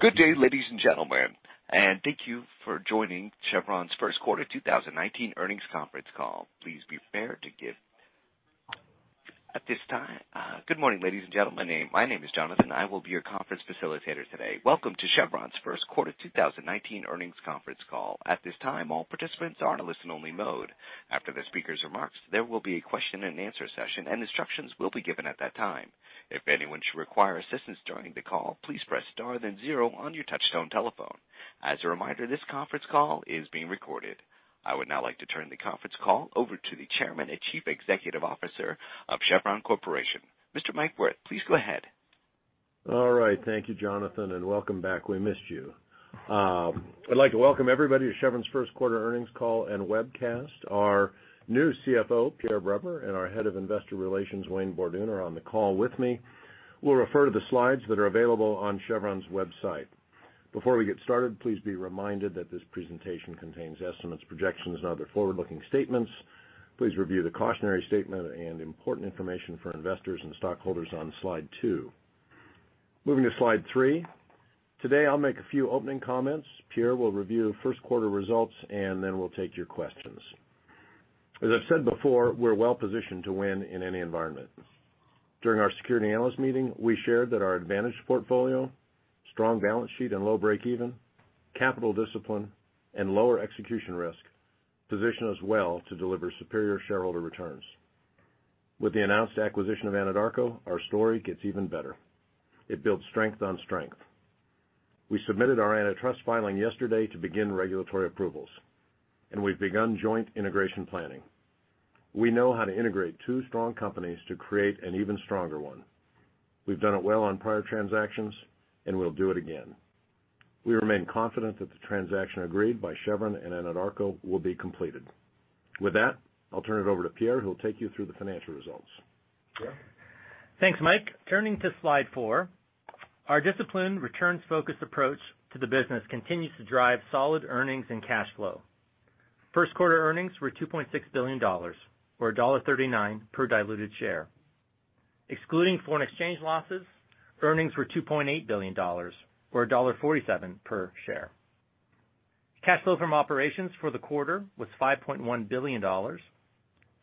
Good day, ladies and gentlemen, and thank you for joining Chevron's first quarter 2019 earnings conference call. Good morning, ladies and gentlemen. My name is Jonathan. I will be your conference facilitator today. Welcome to Chevron's first quarter 2019 earnings conference call. At this time, all participants are in a listen-only mode. After the speaker's remarks, there will be a question and answer session, and instructions will be given at that time. If anyone should require assistance during the call, please press star then zero on your touchtone telephone. As a reminder, this conference call is being recorded. I would now like to turn the conference call over to the Chairman and Chief Executive Officer of Chevron Corporation, Mr. Mike Wirth. Please go ahead. All right. Thank you, Jonathan, and welcome back. We missed you. I'd like to welcome everybody to Chevron's first quarter earnings call and webcast. Our new CFO, Pierre Breber, and our Head of Investor Relations, Wayne Borduin, are on the call with me. We'll refer to the slides that are available on Chevron's website. Before we get started, please be reminded that this presentation contains estimates, projections, and other forward-looking statements. Please review the cautionary statement and important information for investors and stockholders on slide two. Moving to slide three. Today, I'll make a few opening comments. Pierre will review first quarter results. Then we'll take your questions. As I've said before, we're well-positioned to win in any environment. During our security analyst meeting, we shared that our advantage portfolio, strong balance sheet and low break even, capital discipline, and lower execution risk position us well to deliver superior shareholder returns. With the announced acquisition of Anadarko, our story gets even better. It builds strength on strength. We submitted our antitrust filing yesterday to begin regulatory approvals. We've begun joint integration planning. We know how to integrate two strong companies to create an even stronger one. We've done it well on prior transactions. We'll do it again. We remain confident that the transaction agreed by Chevron and Anadarko will be completed. With that, I'll turn it over to Pierre, who will take you through the financial results. Pierre? Thanks, Mike. Turning to slide four. Our disciplined, returns-focused approach to the business continues to drive solid earnings and cash flow. First quarter earnings were $2.6 billion, or $1.39 per diluted share. Excluding foreign exchange losses, earnings were $2.8 billion, or $1.47 per share. Cash flow from operations for the quarter was $5.1 billion.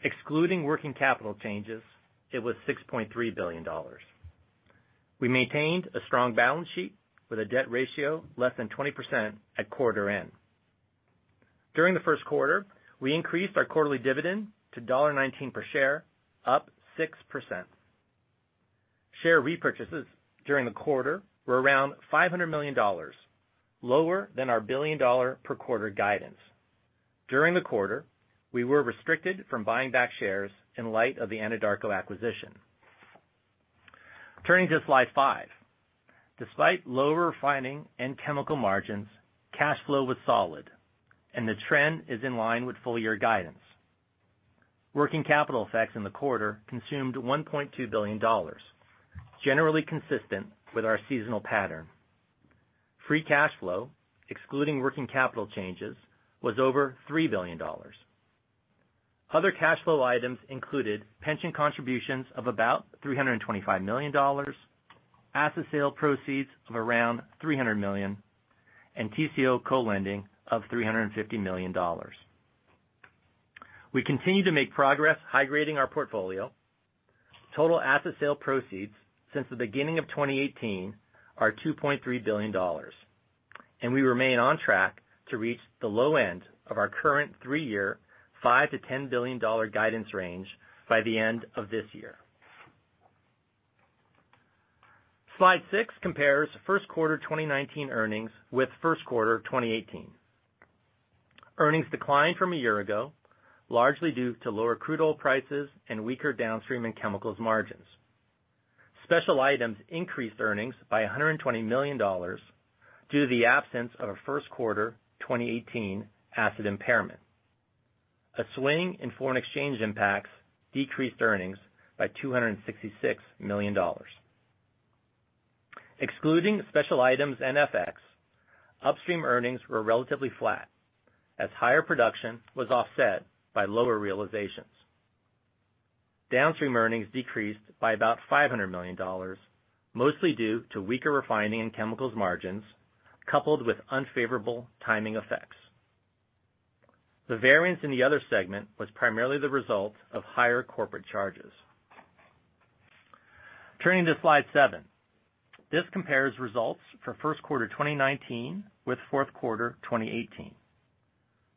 Excluding working capital changes, it was $6.3 billion. We maintained a strong balance sheet with a debt ratio less than 20% at quarter end. During the first quarter, we increased our quarterly dividend to $1.19 per share, up 6%. Share repurchases during the quarter were around $500 million, lower than our $1 billion per quarter guidance. During the quarter, we were restricted from buying back shares in light of the Anadarko acquisition. Turning to slide five. Despite lower refining and chemical margins, cash flow was solid, and the trend is in line with full-year guidance. Working capital effects in the quarter consumed $1.2 billion, generally consistent with our seasonal pattern. Free cash flow, excluding working capital changes, was over $3 billion. Other cash flow items included pension contributions of about $325 million, asset sale proceeds of around $300 million, and TCO co-lending of $350 million. We continue to make progress high-grading our portfolio. Total asset sale proceeds since the beginning of 2018 are $2.3 billion, and we remain on track to reach the low end of our current three-year $5 billion-$10 billion guidance range by the end of this year. Slide six compares first quarter 2019 earnings with first quarter 2018. Earnings declined from a year ago, largely due to lower crude oil prices and weaker downstream and chemicals margins. Special items increased earnings by $120 million due to the absence of a first quarter 2018 asset impairment. A swing in foreign exchange impacts decreased earnings by $266 million. Excluding special items and FX, upstream earnings were relatively flat as higher production was offset by lower realizations. Downstream earnings decreased by about $500 million, mostly due to weaker refining and chemicals margins, coupled with unfavorable timing effects. The variance in the other segment was primarily the result of higher corporate charges. Turning to slide seven. This compares results for first quarter 2019 with fourth quarter 2018.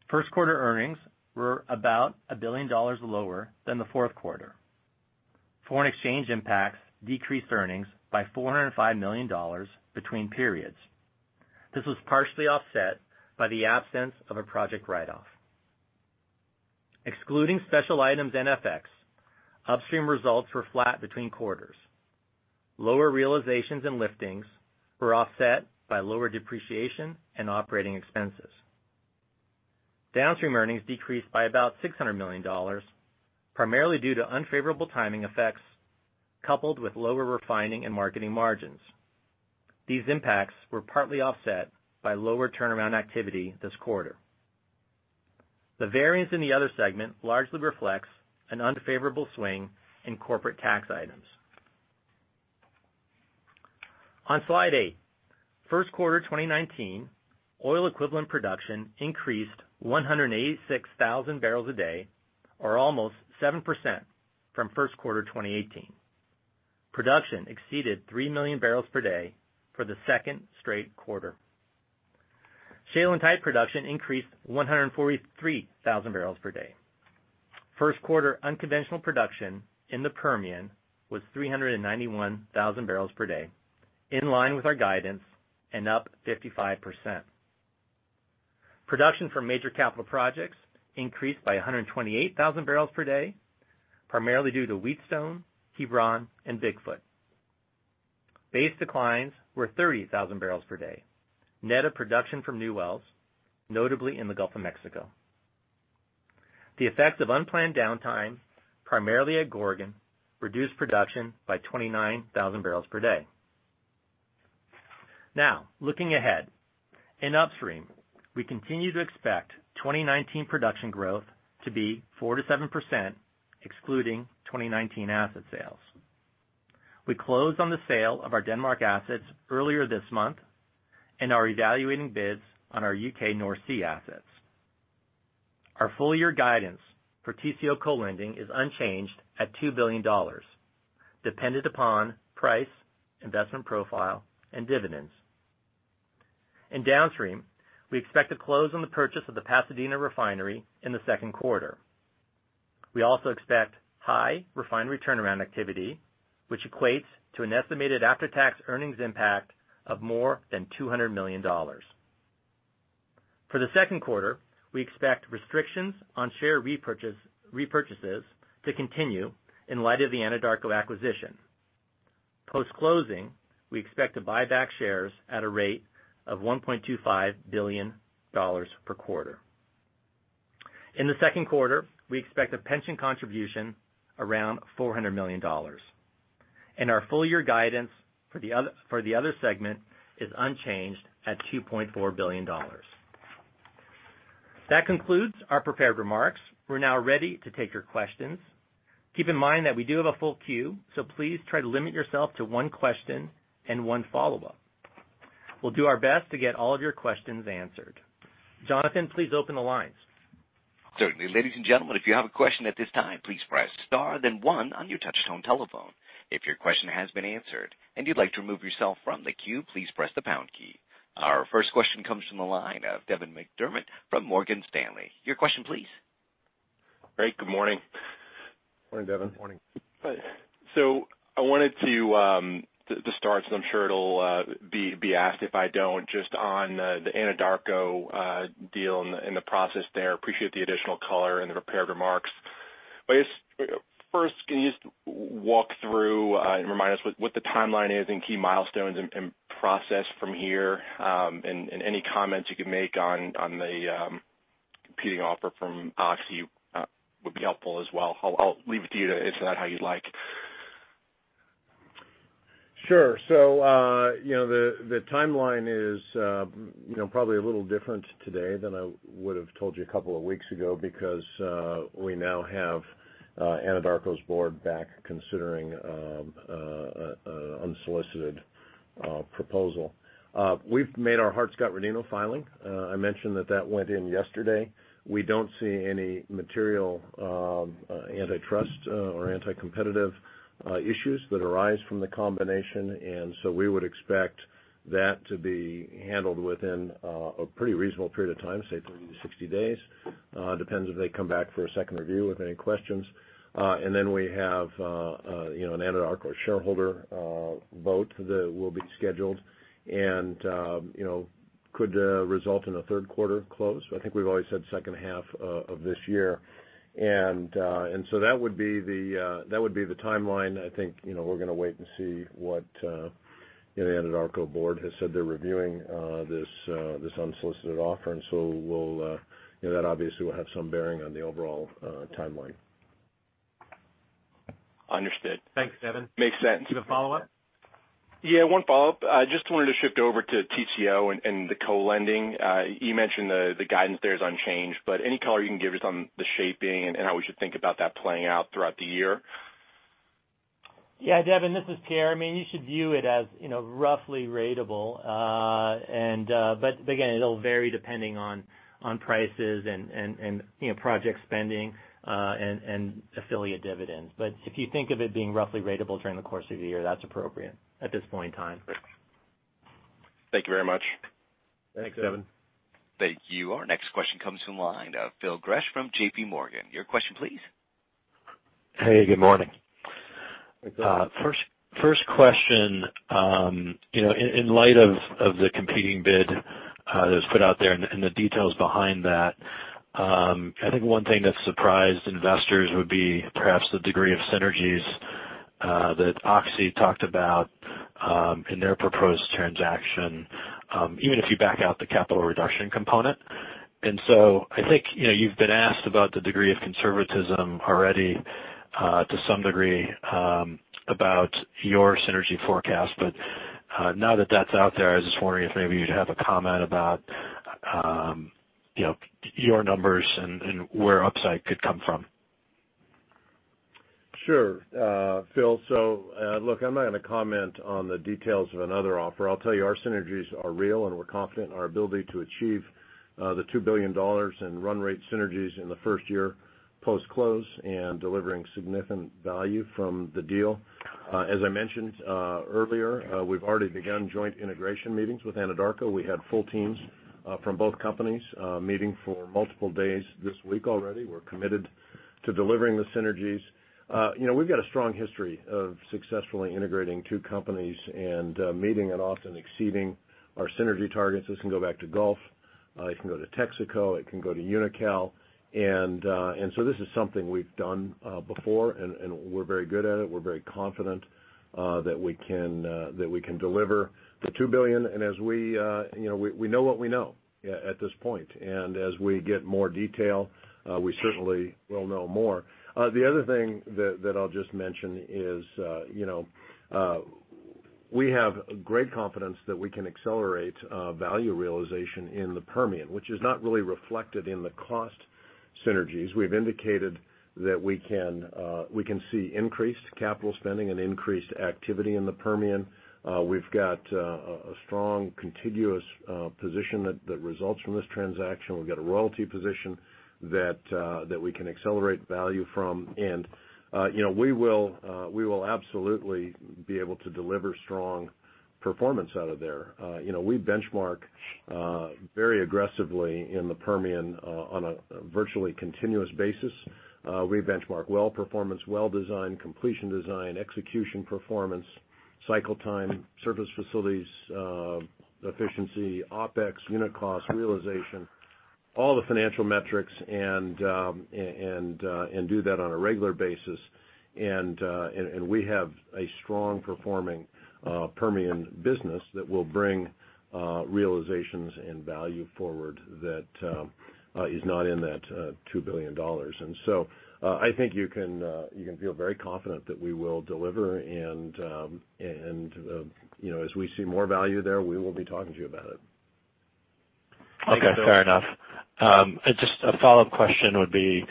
First quarter earnings were about $1 billion lower than the fourth quarter. Foreign exchange impacts decreased earnings by $405 million between periods. This was partially offset by the absence of a project write-off. Excluding special items and FX, upstream results were flat between quarters. Lower realizations and liftings were offset by lower depreciation and operating expenses. Downstream earnings decreased by about $600 million, primarily due to unfavorable timing effects coupled with lower refining and marketing margins. These impacts were partly offset by lower turnaround activity this quarter. The variance in the other segment largely reflects an unfavorable swing in corporate tax items. On slide eight, first quarter 2019 oil equivalent production increased 186,000 barrels a day, or almost 7% from first quarter 2018. Production exceeded 3 million barrels per day for the second straight quarter. Shale and tight production increased 143,000 barrels per day. First quarter unconventional production in the Permian was 391,000 barrels per day, in line with our guidance and up 55%. Production from major capital projects increased by 128,000 barrels per day, primarily due to Wheatstone, Hebron, and Bigfoot. Base declines were 30,000 barrels per day, net of production from new wells, notably in the Gulf of Mexico. The effect of unplanned downtime, primarily at Gorgon, reduced production by 29,000 barrels per day. Now, looking ahead. In upstream, we continue to expect 2019 production growth to be 4%-7%, excluding 2019 asset sales. We closed on the sale of our Denmark assets earlier this month and are evaluating bids on our U.K. North Sea assets. Our full-year guidance for TCO co-lending is unchanged at $2 billion, dependent upon price, investment profile, and dividends. In downstream, we expect to close on the purchase of the Pasadena Refinery in the second quarter. We also expect high refinery turnaround activity, which equates to an estimated after-tax earnings impact of more than $200 million. For the second quarter, we expect restrictions on share repurchases to continue in light of the Anadarko acquisition. Post-closing, we expect to buy back shares at a rate of $1.25 billion per quarter. In the second quarter, we expect a pension contribution around $400 million. Our full-year guidance for the other segment is unchanged at $2.4 billion. That concludes our prepared remarks. We're now ready to take your questions. Keep in mind that we do have a full queue, so please try to limit yourself to one question and one follow-up. We'll do our best to get all of your questions answered. Jonathan, please open the lines. Certainly. Ladies and gentlemen, if you have a question at this time, please press star then one on your touchtone telephone. If your question has been answered and you'd like to remove yourself from the queue, please press the pound key. Our first question comes from the line of Devin McDermott from Morgan Stanley. Your question please. Great. Good morning. Morning, Devin. Morning. I wanted to start, as I'm sure it'll be asked if I don't, just on the Anadarko deal and the process there. Appreciate the additional color in the prepared remarks. I guess, first, can you just walk through and remind us what the timeline is and key milestones and process from here? Any comments you can make on the competing offer from Oxy would be helpful as well. I'll leave it to you to answer that how you'd like. Sure. The timeline is probably a little different today than I would've told you a couple of weeks ago because we now have Anadarko's board back considering an unsolicited proposal. We've made our Hart-Scott-Rodino filing. I mentioned that that went in yesterday. We don't see any material antitrust or anti-competitive issues that arise from the combination. We would expect that to be handled within a pretty reasonable period of time, say 30 to 60 days. Depends if they come back for a second review with any questions. We have an Anadarko shareholder vote that will be scheduled and could result in a third-quarter close. I think we've always said second half of this year. That would be the timeline. I think we're going to wait and see what the Anadarko board has said. They're reviewing this unsolicited offer, that obviously will have some bearing on the overall timeline. Understood. Thanks, Devin. Makes sense. Do you have a follow-up? Yeah, one follow-up. I just wanted to shift over to Tengizchevroil and the co-lending. You mentioned the guidance there is unchanged, but any color you can give us on the shaping and how we should think about that playing out throughout the year? Yeah, Devin, this is Pierre. You should view it as roughly ratable. Again, it'll vary depending on prices and project spending, and affiliate dividends. If you think of it being roughly ratable during the course of the year, that's appropriate at this point in time. Thanks. Thank you very much. Thanks. Thanks, Devin. Thank you. Our next question comes from the line of Phil Gresh from J.P. Morgan. Your question please. Hey, good morning. Hi. First question. In light of the competing bid that was put out there and the details behind that, I think one thing that surprised investors would be perhaps the degree of synergies that Oxy talked about in their proposed transaction, even if you back out the capital reduction component. I think you've been asked about the degree of conservatism already to some degree about your synergy forecast. Now that that's out there, I was just wondering if maybe you'd have a comment about your numbers and where upside could come from. Sure. Phil, look, I'm not going to comment on the details of another offer. I'll tell you our synergies are real, and we're confident in our ability to achieve the $2 billion in run rate synergies in the first year post-close and delivering significant value from the deal. As I mentioned earlier, we've already begun joint integration meetings with Anadarko. We had full teams from both companies meeting for multiple days this week already. We're committed to delivering the synergies. We've got a strong history of successfully integrating two companies and meeting and often exceeding our synergy targets. This can go back to Gulf. It can go to Texaco. It can go to Unocal. This is something we've done before, and we're very good at it. We're very confident that we can deliver the $2 billion. We know what we know at this point. As we get more detail, we certainly will know more. The other thing that I'll just mention is we have great confidence that we can accelerate value realization in the Permian, which is not really reflected in the cost synergies. We've indicated that we can see increased capital spending and increased activity in the Permian. We've got a strong contiguous position that results from this transaction. We've got a royalty position that we can accelerate value from, and we will absolutely be able to deliver strong performance out of there. We benchmark very aggressively in the Permian on a virtually continuous basis. We benchmark well performance, well design, completion design, execution performance, cycle time, service facilities efficiency, OPEX, unit cost realization, all the financial metrics, and do that on a regular basis. We have a strong performing Permian business that will bring realizations and value forward that is not in that $2 billion. I think you can feel very confident that we will deliver and as we see more value there, we will be talking to you about it. Okay, fair enough. Just a follow-up question would be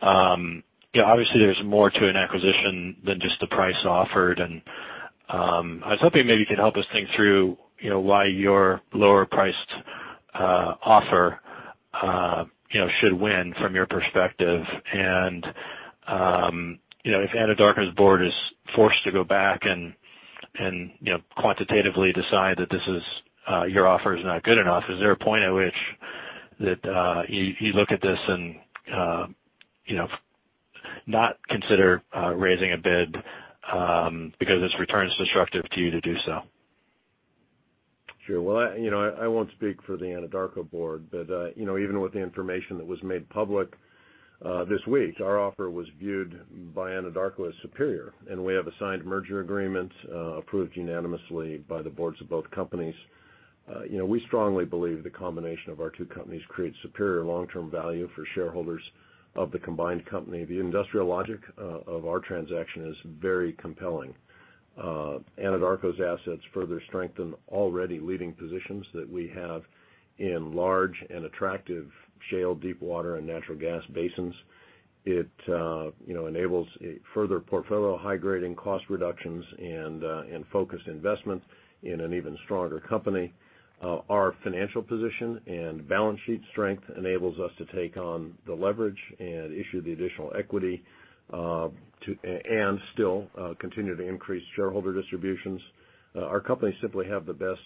obviously there's more to an acquisition than just the price offered, I was hoping maybe you could help us think through why your lower priced offer should win from your perspective. If Anadarko's board is forced to go back and quantitatively decide that your offer is not good enough, is there a point at which that you look at this and not consider raising a bid because its return is destructive to you to do so? Sure. Well, I won't speak for the Anadarko board, but even with the information that was made public this week, our offer was viewed by Anadarko as superior. We have a signed merger agreement approved unanimously by the boards of both companies. We strongly believe the combination of our two companies creates superior long-term value for shareholders of the combined company. The industrial logic of our transaction is very compelling. Anadarko's assets further strengthen already leading positions that we have in large and attractive shale deep water and natural gas basins. It enables a further portfolio of high-grading cost reductions and focused investments in an even stronger company. Our financial position and balance sheet strength enables us to take on the leverage and issue the additional equity, and still continue to increase shareholder distributions. Our companies simply have the best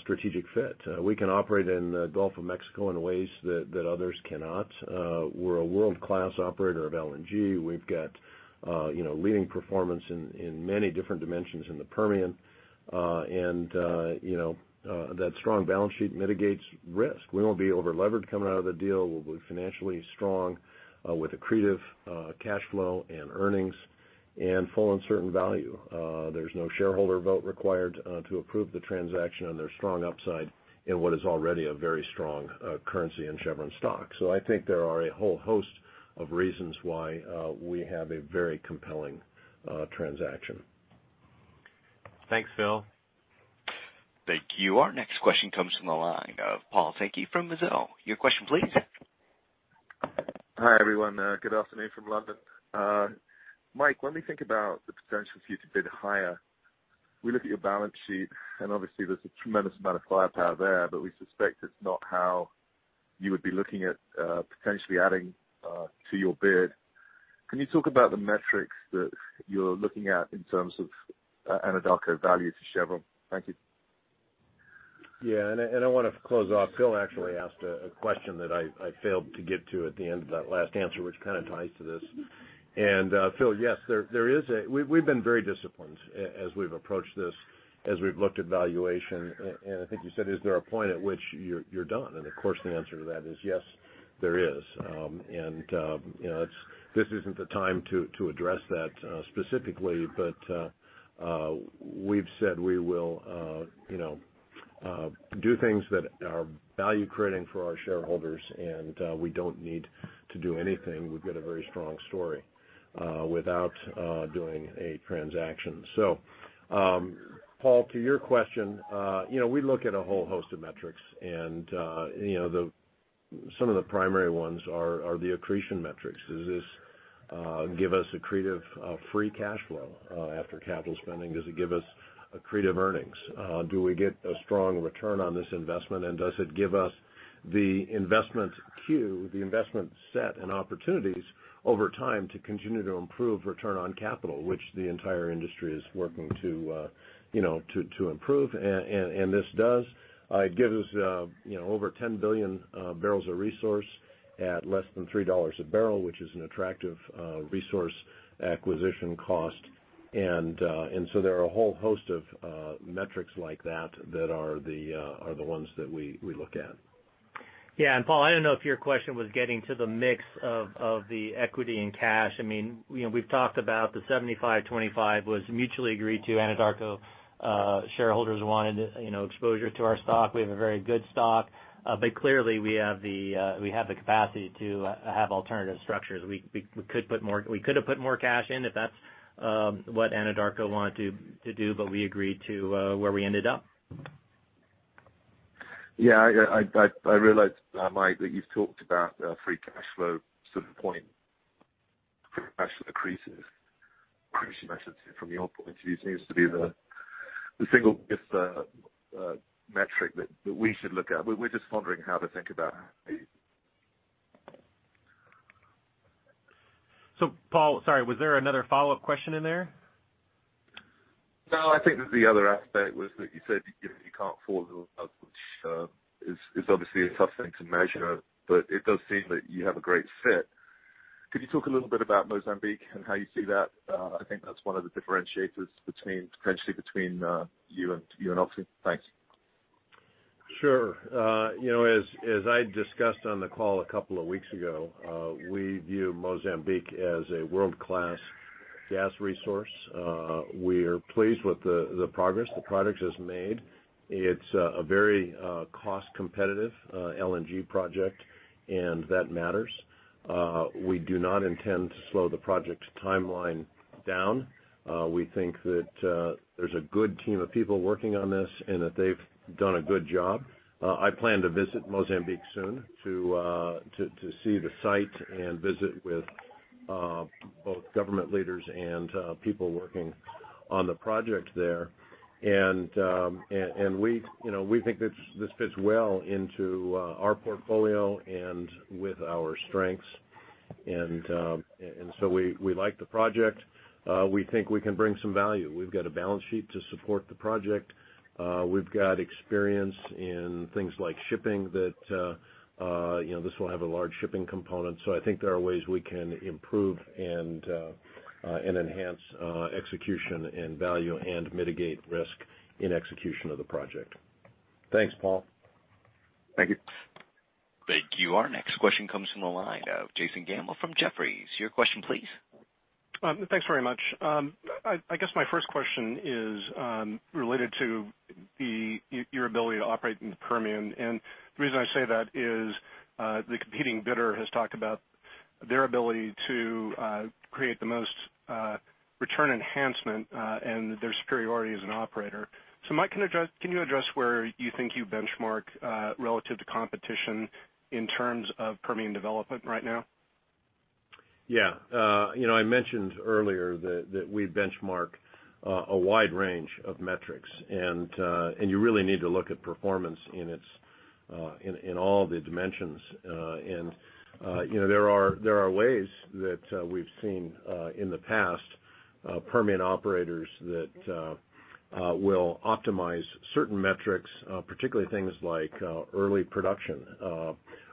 strategic fit. We can operate in the Gulf of Mexico in ways that others cannot. We're a world-class operator of LNG. We've got leading performance in many different dimensions in the Permian. That strong balance sheet mitigates risk. We won't be over-leveraged coming out of the deal. We'll be financially strong with accretive cash flow and earnings and full uncertain value. There's no shareholder vote required to approve the transaction, there's strong upside in what is already a very strong currency in Chevron stock. I think there are a whole host of reasons why we have a very compelling transaction. Thanks, Phil. Thank you. Our next question comes from the line of Paul Sankey from Mizuho. Your question please. Hi, everyone. Good afternoon from London. Mike, when we think about the potential for you to bid higher, we look at your balance sheet. Obviously there's a tremendous amount of firepower there, we suspect it's not how you would be looking at potentially adding to your bid. Can you talk about the metrics that you're looking at in terms of Anadarko value to Chevron? Thank you. Yeah, I want to close off. Phil actually asked a question that I failed to get to at the end of that last answer, which kind of ties to this. Phil, yes. We've been very disciplined as we've approached this, as we've looked at valuation. I think you said, is there a point at which you're done? Of course, the answer to that is yes, there is. This isn't the time to address that specifically. We will do things that are value creating for our shareholders. We don't need to do anything. We've got a very strong story without doing a transaction. Paul, to your question, we look at a whole host of metrics. Some of the primary ones are the accretion metrics. Does this give us accretive free cash flow after capital spending? Does it give us accretive earnings? Do we get a strong return on this investment? Does it give us the investment queue, the investment set and opportunities over time to continue to improve return on capital, which the entire industry is working to improve? This does. It gives over 10 billion barrels of resource at less than $3 a barrel, which is an attractive resource acquisition cost. There are a whole host of metrics like that are the ones that we look at. Paul, I don't know if your question was getting to the mix of the equity and cash. We've talked about the 75/25 was mutually agreed to. Anadarko shareholders wanted exposure to our stock. We have a very good stock. Clearly, we have the capacity to have alternative structures. We could've put more cash in if that's what Anadarko wanted to do, but we agreed to where we ended up. Yeah, I realized, Mike, that you've talked about free cash flow sort of point, free cash flow accretive. Accretion, I should say, from your point of view, seems to be the single biggest metric that we should look at. We're just pondering how to think about it. Paul, sorry, was there another follow-up question in there? No, I think that the other aspect was that you said you can't afford which is obviously a tough thing to measure, but it does seem that you have a great fit. Could you talk a little bit about Mozambique and how you see that? I think that's one of the differentiators potentially between you and Oxy. Thanks. Sure. As I discussed on the call a couple of weeks ago, we view Mozambique as a world-class gas resource. We're pleased with the progress the project has made. It's a very cost competitive LNG project, and that matters. We do not intend to slow the project timeline down. We think that there's a good team of people working on this, and that they've done a good job. I plan to visit Mozambique soon to see the site and visit with both government leaders and people working on the project there. We think this fits well into our portfolio and with our strengths. We like the project. We think we can bring some value. We've got a balance sheet to support the project. We've got experience in things like shipping that this will have a large shipping component. I think there are ways we can improve and enhance execution and value and mitigate risk in execution of the project. Thanks, Paul. Thank you. Thank you. Our next question comes from the line of Jason Gammel from Jefferies. Your question, please. Thanks very much. I guess my first question is related to your ability to operate in the Permian. The reason I say that is the competing bidder has talked about their ability to create the most return enhancement and their superiority as an operator. Mike, can you address where you think you benchmark relative to competition in terms of Permian development right now? Yeah. I mentioned earlier that we benchmark a wide range of metrics, and you really need to look at performance in all the dimensions. There are ways that we've seen in the past Permian operators that will optimize certain metrics, particularly things like early production.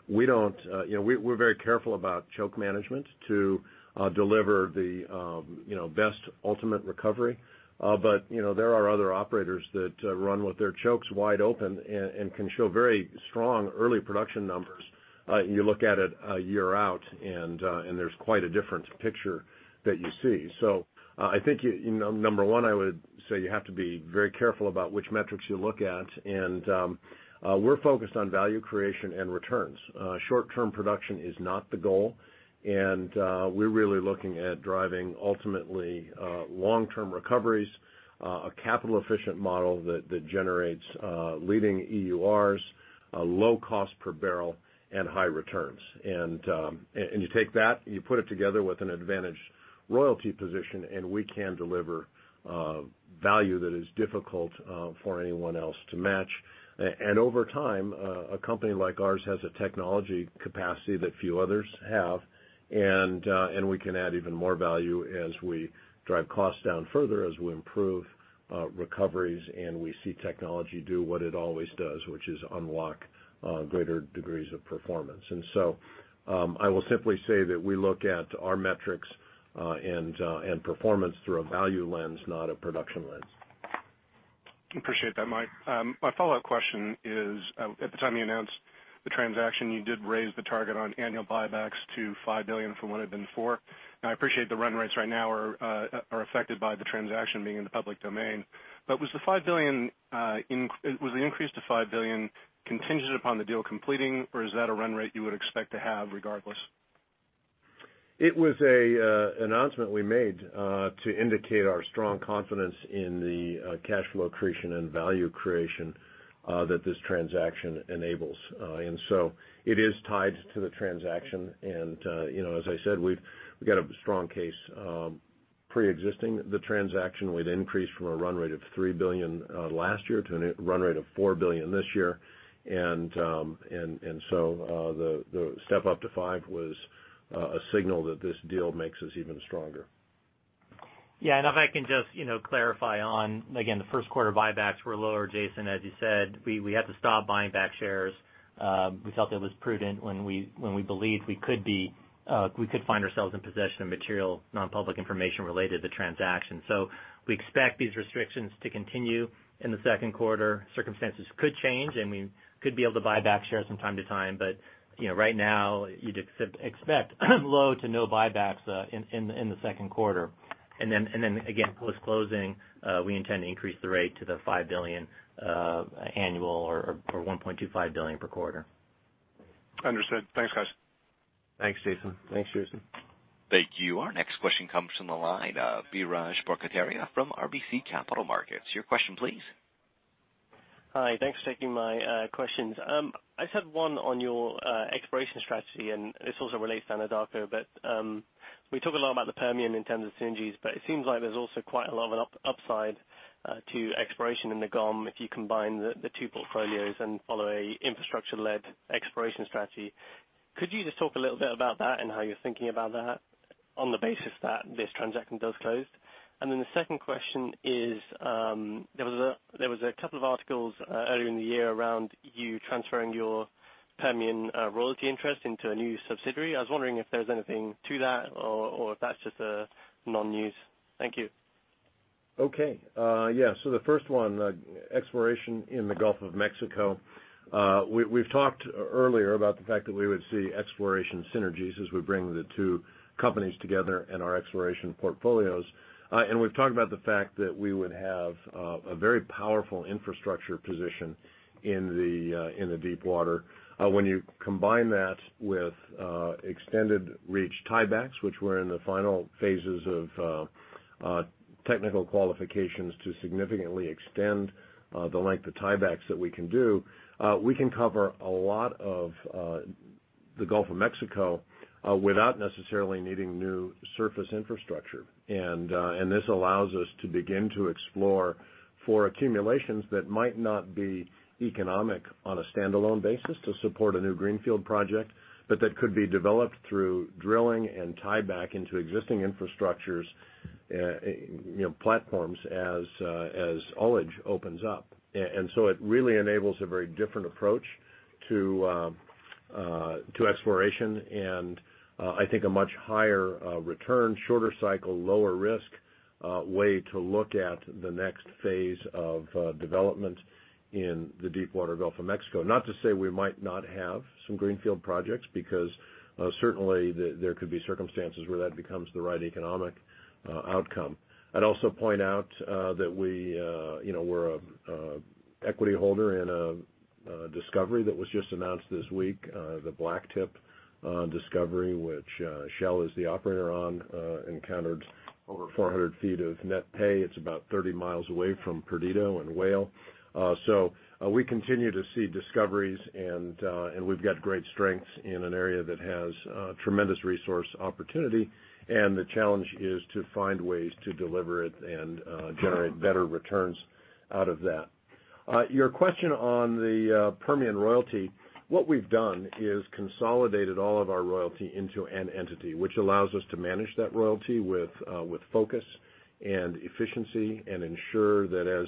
We're very careful about choke management to deliver the best ultimate recovery. There are other operators that run with their chokes wide open and can show very strong early production numbers. You look at it a year out, and there's quite a different picture that you see. I think, number one, I would say you have to be very careful about which metrics you look at, and we're focused on value creation and returns. Short-term production is not the goal, and we're really looking at driving ultimately long-term recoveries, a capital efficient model that generates leading EURs, a low cost per barrel, and high returns. You take that, you put it together with an advantaged royalty position, and we can deliver value that is difficult for anyone else to match. Over time, a company like ours has a technology capacity that few others have, and we can add even more value as we drive costs down further, as we improve recoveries, and we see technology do what it always does, which is unlock greater degrees of performance. I will simply say that we look at our metrics and performance through a value lens, not a production lens. Appreciate that, Mike. My follow-up question is, at the time you announced the transaction, you did raise the target on annual buybacks to $5 billion from what had been four. I appreciate the run rates right now are affected by the transaction being in the public domain. Was the increase to $5 billion contingent upon the deal completing, or is that a run rate you would expect to have regardless? It was an announcement we made to indicate our strong confidence in the cash flow creation and value creation that this transaction enables. It is tied to the transaction and as I said, we've got a strong case preexisting the transaction with increase from a run rate of $3 billion last year to a run rate of $4 billion this year. The step up to 5 was a signal that this deal makes us even stronger. Yeah. If I can just clarify on, again, the first quarter buybacks were lower, Jason, as you said, we had to stop buying back shares. We felt that was prudent when we believed we could find ourselves in possession of material non-public information related to the transaction. We expect these restrictions to continue in the second quarter. Circumstances could change, and we could be able to buy back shares from time to time. Right now you'd expect low to no buybacks in the second quarter. Then again, post-closing, we intend to increase the rate to the $5 billion annual or $1.25 billion per quarter. Understood. Thanks, guys. Thanks, Jason. Thanks, Jason. Thank you. Our next question comes from the line of Biraj Borkhataria from RBC Capital Markets. Your question, please. Hi, thanks for taking my questions. I just had one on your exploration strategy, and this also relates to Anadarko. We talk a lot about the Permian in terms of synergies, but it seems like there's also quite a lot of an upside to exploration in the GOM if you combine the two portfolios and follow an infrastructure-led exploration strategy. Could you just talk a little bit about that and how you're thinking about that on the basis that this transaction does close? The second question is, there was a couple of articles earlier in the year around you transferring your Permian royalty interest into a new subsidiary. I was wondering if there's anything to that or if that's just a non-news. Thank you. Okay. Yeah. The first one, exploration in the Gulf of Mexico. We've talked earlier about the fact that we would see exploration synergies as we bring the two companies together and our exploration portfolios. We've talked about the fact that we would have a very powerful infrastructure position in the Deepwater. When you combine that with extended reach tiebacks, which we're in the final phases of technical qualifications to significantly extend the length of tiebacks that we can do, we can cover a lot of the Gulf of Mexico without necessarily needing new surface infrastructure. This allows us to begin to explore for accumulations that might not be economic on a standalone basis to support a new greenfield project, but that could be developed through drilling and tieback into existing infrastructures platforms as oilage opens up. It really enables a very different approach to exploration and I think a much higher return, shorter cycle, lower risk way to look at the next phase of development in the Deepwater Gulf of Mexico. Not to say we might not have some greenfield projects because certainly there could be circumstances where that becomes the right economic outcome. I'd also point out that we're an equity holder in a discovery that was just announced this week, the Blacktip discovery, which Shell is the operator on, encountered over 400 feet of net pay. It's about 30 miles away from Perdido and Whale. We continue to see discoveries, and we've got great strengths in an area that has tremendous resource opportunity, and the challenge is to find ways to deliver it and generate better returns out of that. Your question on the Permian royalty, what we've done is consolidated all of our royalty into an entity, which allows us to manage that royalty with focus and efficiency and ensure that as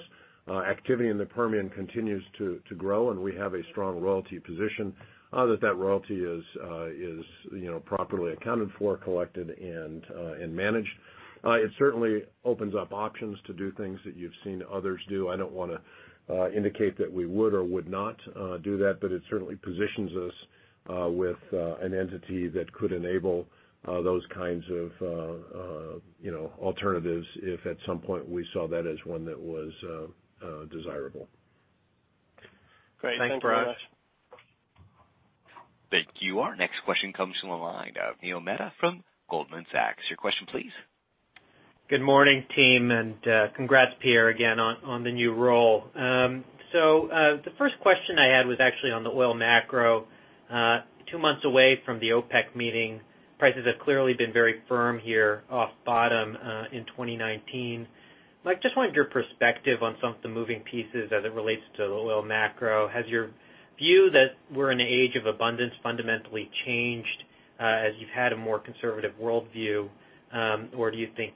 activity in the Permian continues to grow and we have a strong royalty position, that royalty is properly accounted for, collected, and managed. It certainly opens up options to do things that you've seen others do. I don't want to indicate that we would or would not do that, but it certainly positions us with an entity that could enable those kinds of alternatives if at some point we saw that as one that was desirable. Great. Thank you. Thanks, Biraj. Thank you. Our next question comes from the line of Neil Mehta from Goldman Sachs. Your question, please. Good morning, team, and congrats, Pierre, again, on the new role. The first question I had was actually on the oil macro. 2 months away from the OPEC meeting, prices have clearly been very firm here off bottom in 2019. I just wanted your perspective on some of the moving pieces as it relates to the oil macro. Has your view that we're in an age of abundance fundamentally changed as you've had a more conservative worldview? Or do you think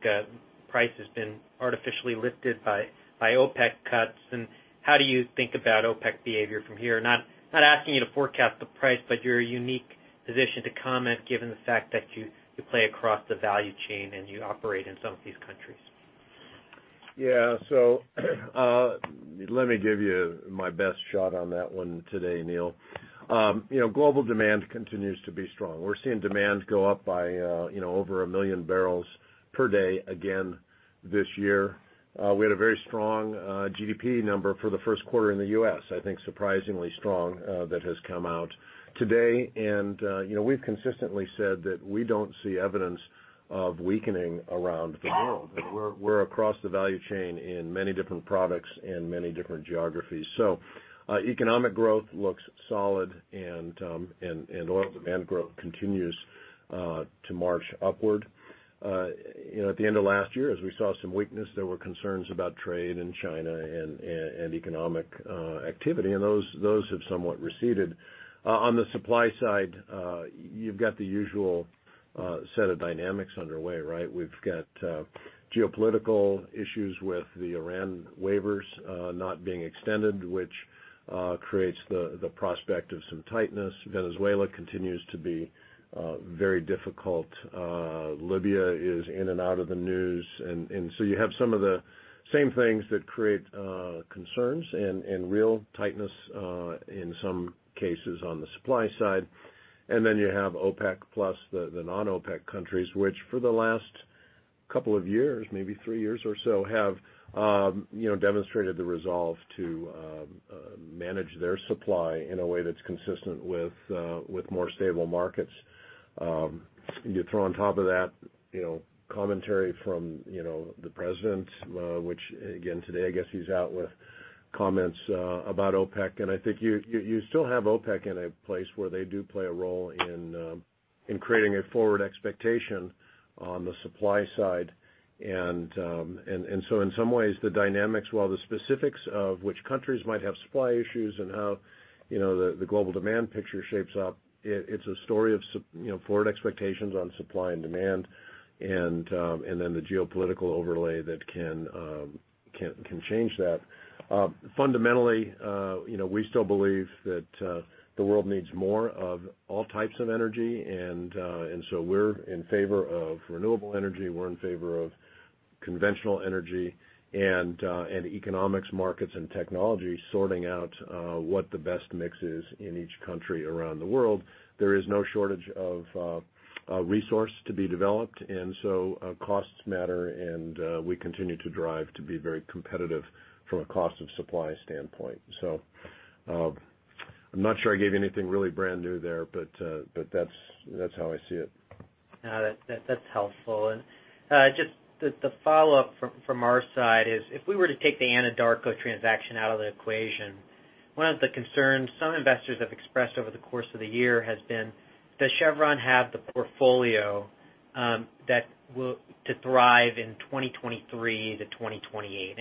price has been artificially lifted by OPEC cuts? How do you think about OPEC behavior from here? Not asking you to forecast the price, but your unique position to comment given the fact that you play across the value chain, and you operate in some of these countries. Yeah. Let me give you my best shot on that one today, Neil. Global demand continues to be strong. We're seeing demand go up by over 1 million barrels per day again this year. We had a very strong GDP number for the first quarter in the U.S., I think surprisingly strong, that has come out today. We've consistently said that we don't see evidence of weakening around the world. We're across the value chain in many different products and many different geographies. Economic growth looks solid, and oil demand growth continues to march upward. At the end of last year, as we saw some weakness, there were concerns about trade and China and economic activity, and those have somewhat receded. On the supply side, you've got the usual set of dynamics underway, right? We've got geopolitical issues with the Iran waivers not being extended, which creates the prospect of some tightness. Venezuela continues to be very difficult. Libya is in and out of the news. You have some of the same things that create concerns and real tightness in some cases on the supply side. Then you have OPEC plus the non-OPEC countries, which for the last couple of years, maybe three years or so, have demonstrated the resolve to manage their supply in a way that's consistent with more stable markets. You throw on top of that commentary from the president, which again, today, I guess he's out with comments about OPEC, and I think you still have OPEC in a place where they do play a role in creating a forward expectation on the supply side. In some ways, the dynamics, while the specifics of which countries might have supply issues and how the global demand picture shapes up, it's a story of forward expectations on supply and demand, then the geopolitical overlay that can change that. Fundamentally, we still believe that the world needs more of all types of energy, and so we're in favor of renewable energy, we're in favor of conventional energy, and economics markets and technology sorting out what the best mix is in each country around the world. There is no shortage of resource to be developed, and so costs matter, and we continue to drive to be very competitive from a cost of supply standpoint. I'm not sure I gave you anything really brand new there, but that's how I see it. No, that's helpful. Just the follow-up from our side is if we were to take the Anadarko transaction out of the equation, one of the concerns some investors have expressed over the course of the year has been, does Chevron have the portfolio to thrive in 2023-2028?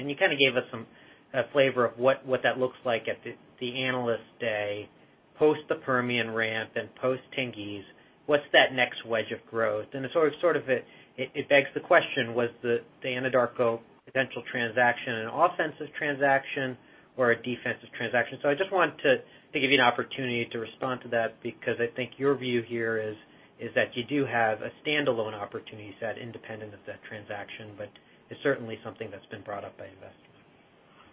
You kind of gave us a flavor of what that looks like at the Analyst Day, post the Permian ramp and post Tengiz. What's that next wedge of growth? It sort of begs the question, was the Anadarko potential transaction an offensive transaction or a defensive transaction? I just wanted to give you an opportunity to respond to that because I think your view here is that you do have a standalone opportunity set independent of that transaction, but it's certainly something that's been brought up by investors.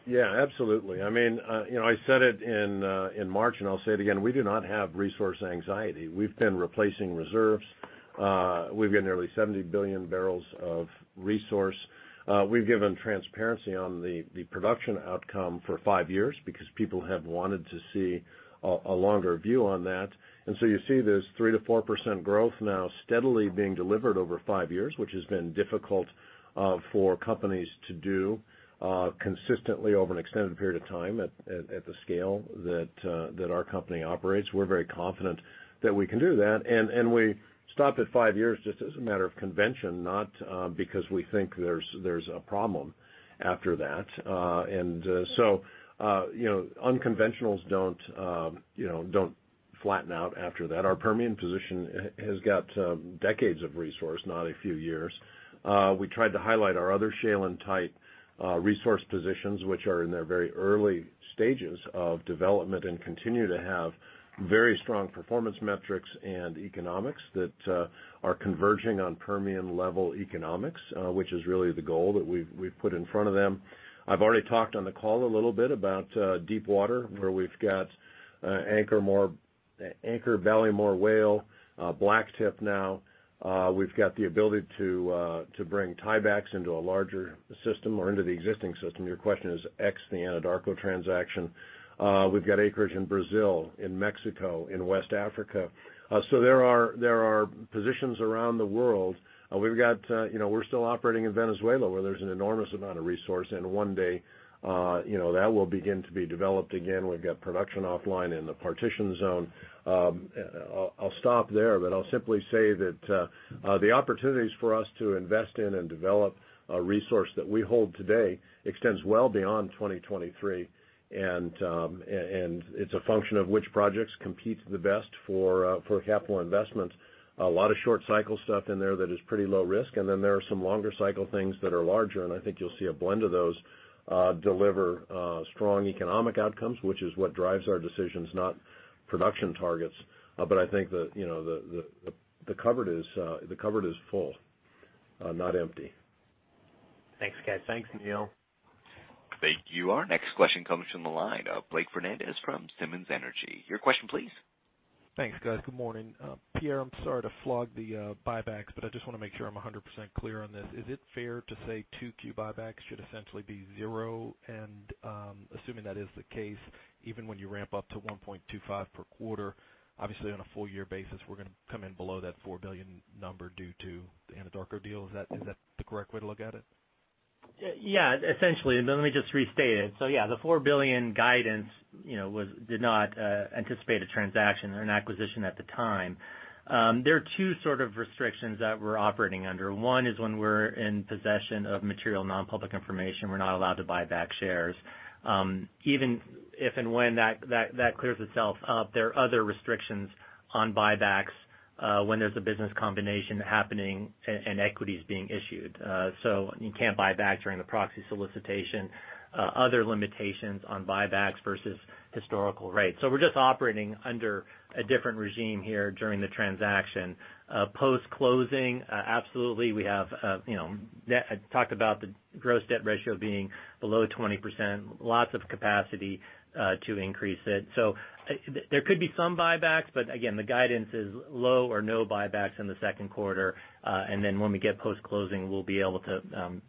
Yeah, absolutely. I said it in March, I'll say it again, we do not have resource anxiety. We've been replacing reserves. We've got nearly 70 billion barrels of resource. We've given transparency on the production outcome for five years because people have wanted to see a longer view on that. You see this 3%-4% growth now steadily being delivered over five years, which has been difficult for companies to do consistently over an extended period of time at the scale that our company operates. We're very confident that we can do that. We stop at five years just as a matter of convention, not because we think there's a problem after that. Unconventionals don't flatten out after that. Our Permian position has got decades of resource, not a few years. We tried to highlight our other shale and tight resource positions, which are in their very early stages of development and continue to have very strong performance metrics and economics that are converging on Permian-level economics which is really the goal that we've put in front of them. I've already talked on the call a little bit about deep water, where we've got Anchor, Ballymore, Whale, Blacktip now. We've got the ability to bring tiebacks into a larger system or into the existing system. Your question is ex the Anadarko transaction. We've got acreage in Brazil, in Mexico, in West Africa. There are positions around the world. We're still operating in Venezuela, where there's an enormous amount of resource, and one day that will begin to be developed again. We've got production offline in the Partitioned Zone. I'll stop there, but I'll simply say that the opportunities for us to invest in and develop resource that we hold today extends well beyond 2023, and it's a function of which projects compete the best for capital investment. A lot of short cycle stuff in there that is pretty low risk, and then there are some longer cycle things that are larger, and I think you'll see a blend of those. Deliver strong economic outcomes, which is what drives our decisions, not production targets. I think the cupboard is full, not empty. Thanks, guys. Thanks, Neil. Thank you. Our next question comes from the line of Blake Fernandez from Simmons Energy. Your question, please. Thanks, guys. Good morning. Pierre, I'm sorry to flog the buybacks. I just want to make sure I'm 100% clear on this. Is it fair to say 2Q buybacks should essentially be zero? Assuming that is the case, even when you ramp up to $1.25 per quarter, obviously on a full year basis, we're going to come in below that $4 billion number due to the Anadarko deal. Is that the correct way to look at it? Yeah, essentially. Let me just restate it. Yeah, the $4 billion guidance did not anticipate a transaction or an acquisition at the time. There are two sort of restrictions that we're operating under. One is when we're in possession of material non-public information, we're not allowed to buy back shares. Even if and when that clears itself up, there are other restrictions on buybacks when there's a business combination happening and equity is being issued. You can't buy back during the proxy solicitation. Other limitations on buybacks versus historical rates. We're just operating under a different regime here during the transaction. Post-closing, absolutely, I talked about the gross debt ratio being below 20%, lots of capacity to increase it. There could be some buybacks. Again, the guidance is low or no buybacks in the second quarter. When we get post-closing, we'll be able to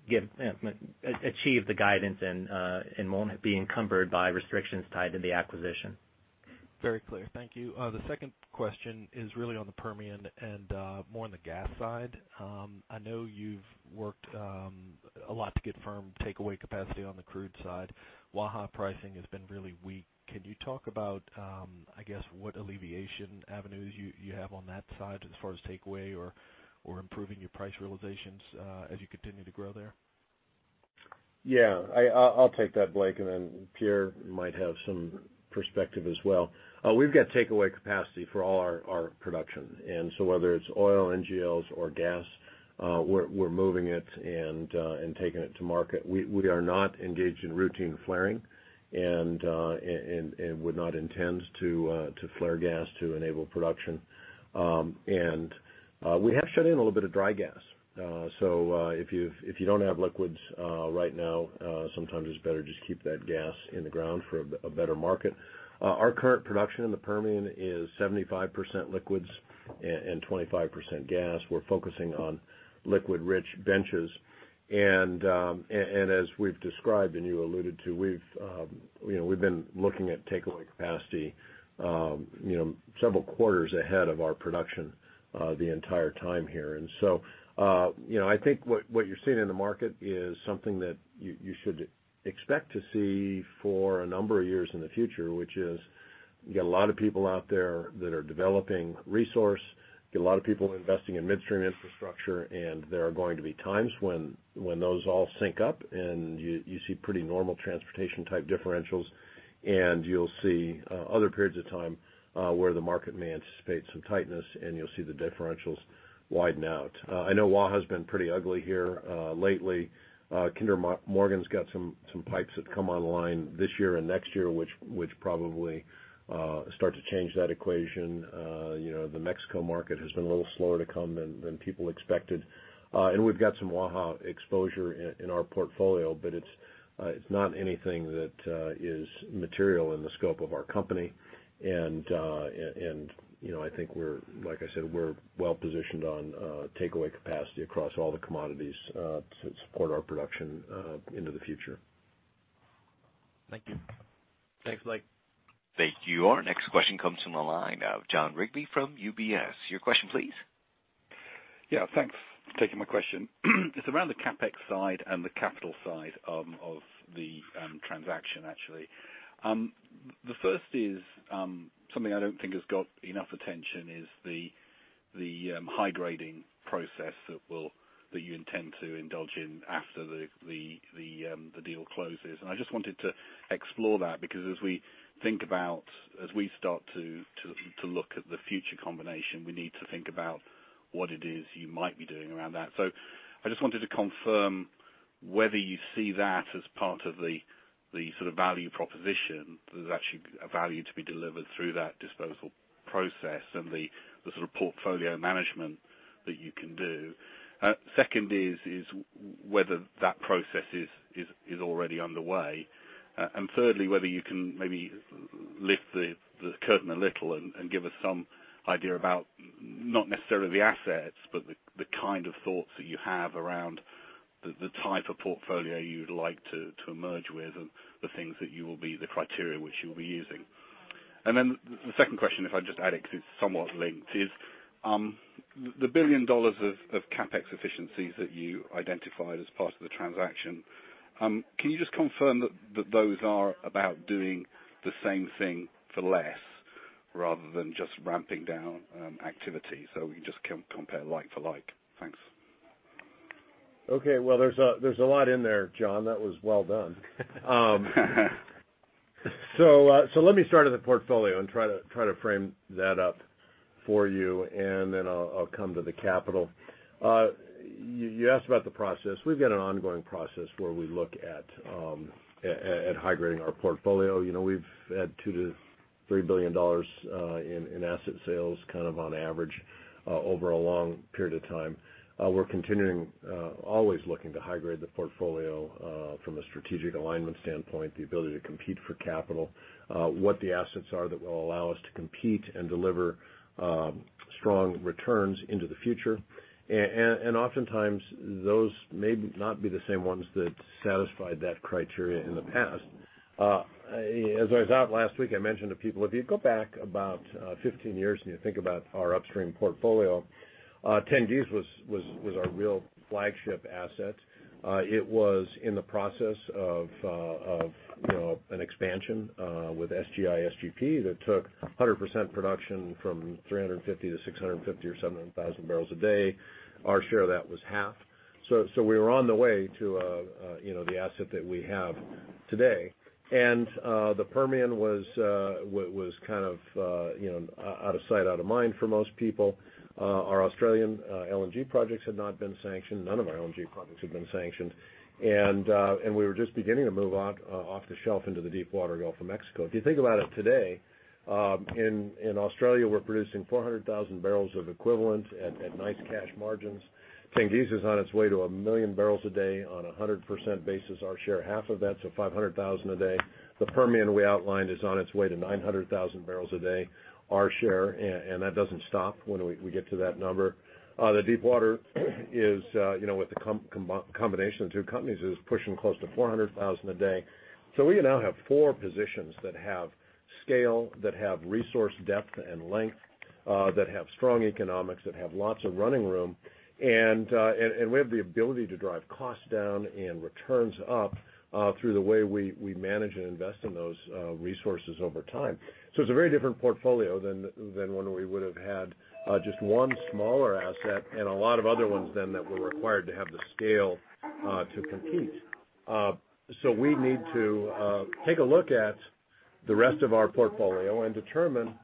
achieve the guidance and won't be encumbered by restrictions tied to the acquisition. Very clear. Thank you. The second question is really on the Permian and more on the gas side. I know you've worked a lot to get firm takeaway capacity on the crude side. Waha pricing has been really weak. Can you talk about what alleviation avenues you have on that side as far as takeaway or improving your price realizations as you continue to grow there? Yeah. I'll take that, Blake, then Pierre might have some perspective as well. We've got takeaway capacity for all our production. Whether it's oil, NGLs, or gas, we're moving it and taking it to market. We are not engaged in routine flaring and would not intend to flare gas to enable production. We have shut in a little bit of dry gas. If you don't have liquids right now, sometimes it's better just keep that gas in the ground for a better market. Our current production in the Permian is 75% liquids and 25% gas. We're focusing on liquid-rich benches. As we've described, and you alluded to, we've been looking at takeaway capacity several quarters ahead of our production the entire time here. I think what you're seeing in the market is something that you should expect to see for a number of years in the future, which is you got a lot of people out there that are developing resource, you get a lot of people investing in midstream infrastructure, and there are going to be times when those all sync up and you see pretty normal transportation type differentials. You'll see other periods of time where the market may anticipate some tightness, and you'll see the differentials widen out. I know Waha's been pretty ugly here lately. Kinder Morgan's got some pipes that come online this year and next year, which probably start to change that equation. The Mexico market has been a little slower to come than people expected. We've got some Waha exposure in our portfolio, but it's not anything that is material in the scope of our company. I think we're, like I said, we're well-positioned on takeaway capacity across all the commodities to support our production into the future. Thank you. Thanks, Blake. Thank you. Our next question comes from the line of Jon Rigby from UBS. Your question, please. Yeah. Thanks for taking my question. It's around the CapEx side and the capital side of the transaction, actually. The first is something I don't think has got enough attention is the high-grading process that you intend to indulge in after the deal closes. I just wanted to explore that because as we start to look at the future combination, we need to think about what it is you might be doing around that. I just wanted to confirm whether you see that as part of the sort of value proposition, there's actually a value to be delivered through that disposal process and the sort of portfolio management that you can do. Second is whether that process is already underway. Thirdly, whether you can maybe lift the curtain a little and give us some idea about, not necessarily the assets, but the kind of thoughts that you have around the type of portfolio you'd like to merge with and the criteria which you'll be using. The second question, if I just add it because it's somewhat linked, is the $1 billion of CapEx efficiencies that you identified as part of the transaction, can you just confirm that those are about doing the same thing for less rather than just ramping down activity so we can just compare like for like? Thanks. Well, there's a lot in there, Jon. That was well done. Let me start with the portfolio and try to frame that up for you, and then I'll come to the capital. You asked about the process. We've got an ongoing process where we look at high-grading our portfolio. We've had $2 billion-$3 billion in asset sales on average over a long period of time. We're continuing always looking to high-grade the portfolio from a strategic alignment standpoint, the ability to compete for capital, what the assets are that will allow us to compete and deliver strong returns into the future. Oftentimes, those may not be the same ones that satisfied that criteria in the past. As I was out last week, I mentioned to people, if you go back about 15 years and you think about our upstream portfolio, Tengiz was our real flagship asset. It was in the process of an expansion with SGI/SGP that took 100% production from 350 to 650 or 700,000 barrels a day. Our share of that was half. We were on the way to the asset that we have today. The Permian was out of sight, out of mind for most people. Our Australian LNG projects had not been sanctioned. None of our LNG projects had been sanctioned. We were just beginning to move off the shelf into the deep water Gulf of Mexico. If you think about it today, in Australia, we're producing 400,000 barrels of equivalent at nice cash margins. Tengiz is on its way to 1 million barrels a day on 100% basis. Our share, half of that, 500,000 a day. The Permian we outlined is on its way to 900,000 barrels a day, our share, and that doesn't stop when we get to that number. The deep water is with the combination of the two companies is pushing close to 400,000 a day. We now have four positions that have scale, that have resource depth and length, that have strong economics, that have lots of running room. We have the ability to drive costs down and returns up through the way we manage and invest in those resources over time. It's a very different portfolio than when we would have had just one smaller asset and a lot of other ones then that were required to have the scale to compete. We need to take a look at the rest of our portfolio and determine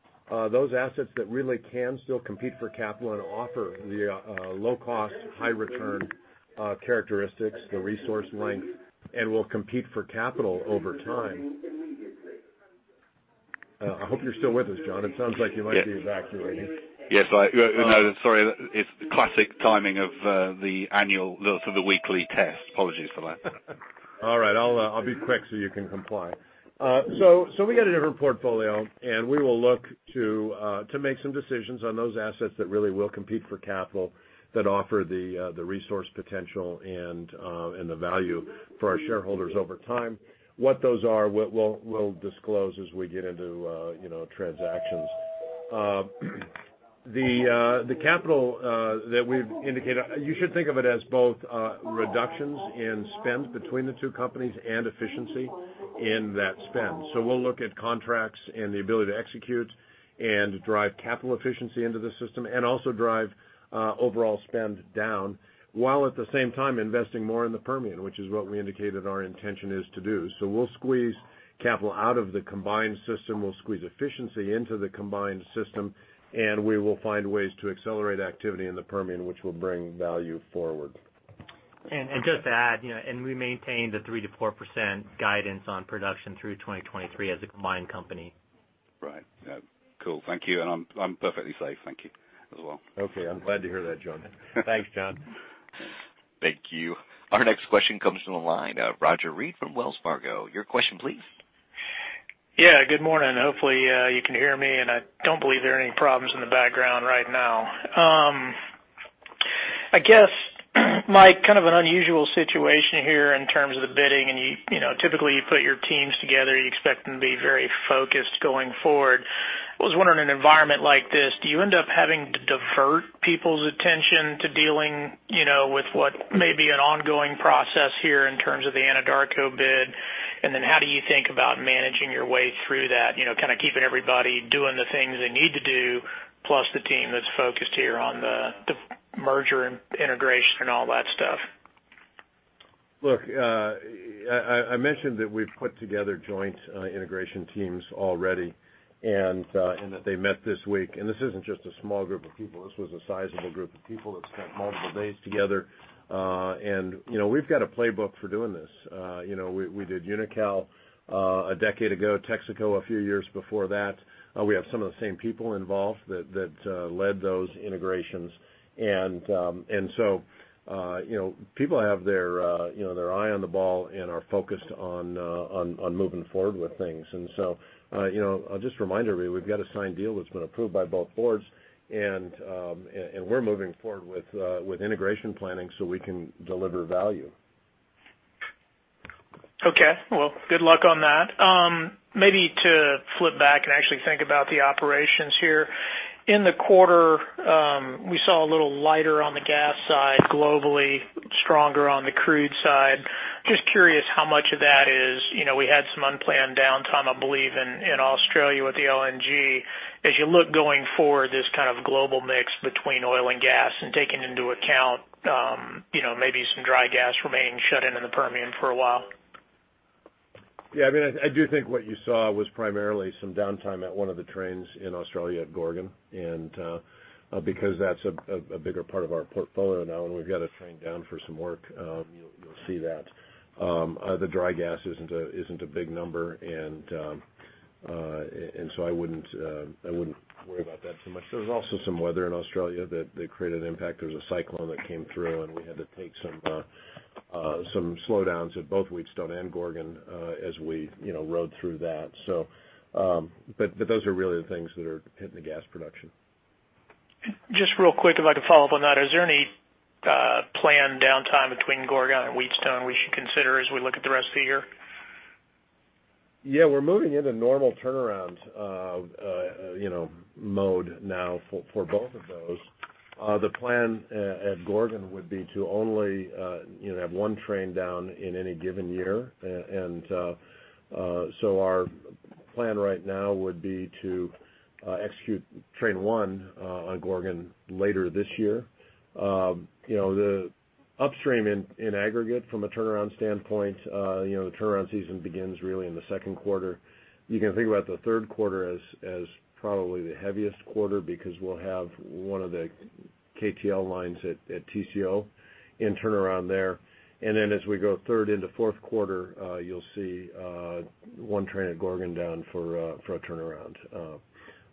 those assets that really can still compete for capital and offer the low cost, high return characteristics, the resource length, and will compete for capital over time. I hope you're still with us, Jon. It sounds like you might be evacuating. Yes. No, sorry. It's the classic timing of the annual, sort of the weekly test. Apologies for that. All right. I'll be quick so you can comply. We got a different portfolio, we will look to make some decisions on those assets that really will compete for capital that offer the resource potential and the value for our shareholders over time. What those are, we'll disclose as we get into transactions. The capital that we've indicated, you should think of it as both reductions in spend between the two companies and efficiency in that spend. We'll look at contracts and the ability to execute and drive capital efficiency into the system and also drive overall spend down, while at the same time investing more in the Permian, which is what we indicated our intention is to do. We'll squeeze capital out of the combined system, we'll squeeze efficiency into the combined system, we will find ways to accelerate activity in the Permian, which will bring value forward. Just to add, we maintain the 3% to 4% guidance on production through 2023 as a combined company. Right. Cool. Thank you. I'm perfectly safe, thank you as well. Okay. I'm glad to hear that, Jon. Thanks, Jon. Thank you. Our next question comes from the line. Roger Read from Wells Fargo. Your question, please. Yeah. Good morning. Hopefully, you can hear me, and I don't believe there are any problems in the background right now. I guess, Mike, kind of an unusual situation here in terms of the bidding, and typically you put your teams together, you expect them to be very focused going forward. I was wondering, in an environment like this, do you end up having to divert people's attention to dealing with what may be an ongoing process here in terms of the Anadarko bid? Then how do you think about managing your way through that, kind of keeping everybody doing the things they need to do, plus the team that's focused here on the merger and integration and all that stuff? I mentioned that we've put together joint integration teams already, and that they met this week. This isn't just a small group of people. This was a sizable group of people that spent multiple days together. We've got a playbook for doing this. We did Unocal a decade ago, Texaco a few years before that. We have some of the same people involved that led those integrations. People have their eye on the ball and are focused on moving forward with things. I'll just remind everybody, we've got a signed deal that's been approved by both boards, and we're moving forward with integration planning so we can deliver value. Okay. Well, good luck on that. Maybe to flip back and actually think about the operations here. In the quarter, we saw a little lighter on the gas side globally, stronger on the crude side. Just curious how much of that we had some unplanned downtime, I believe, in Australia with the LNG. As you look going forward, this kind of global mix between oil and gas and taking into account maybe some dry gas remaining shut in the Permian for a while. Yeah, I do think what you saw was primarily some downtime at one of the trains in Australia at Gorgon. Because that's a bigger part of our portfolio now, and we've got a train down for some work, you'll see that. The dry gas isn't a big number, I wouldn't worry about that too much. There was also some weather in Australia that created an impact. There was a cyclone that came through, and we had to take some slowdowns at both Wheatstone and Gorgon as we rode through that. Those are really the things that are hitting the gas production. Just real quick, if I could follow up on that, is there any planned downtime between Gorgon and Wheatstone we should consider as we look at the rest of the year? Yeah. We're moving into normal turnaround mode now for both of those. The plan at Gorgon would be to only have one train down in any given year. Our plan right now would be to execute train one on Gorgon later this year. The upstream in aggregate from a turnaround standpoint, the turnaround season begins really in the second quarter. You can think about the third quarter as probably the heaviest quarter because we'll have one of the KTL lines at Tengizchevroil in turnaround there. As we go third into fourth quarter, you'll see one train at Gorgon down for a turnaround.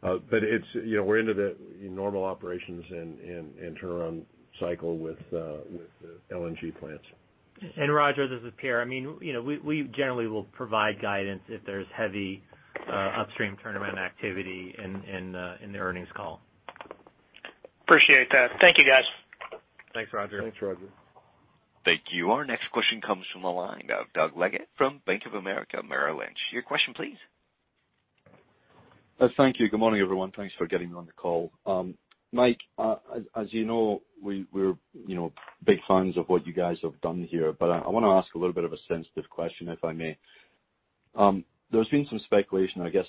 We're into the normal operations and turnaround cycle with the LNG plants. Roger, this is Pierre. We generally will provide guidance if there's heavy upstream turnaround activity in the earnings call. Appreciate that. Thank you, guys. Thanks, Roger. Thanks, Roger. Thank you. Our next question comes from the line of Douglas Leggate from Bank of America Merrill Lynch. Your question please. Thank you. Good morning, everyone. Thanks for getting me on the call. Mike, as you know, we're big fans of what you guys have done here, I want to ask a little bit of a sensitive question, if I may. There's been some speculation, I guess,